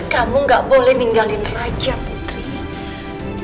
kamu gak boleh ninggalin raja putri